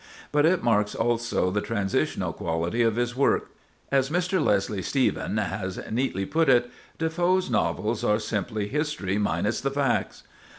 But it marks, also, the transitional quality of his work. As Mr. Leslie Stephen has neatly put it, "Defoe's novels are simply history minus the facts."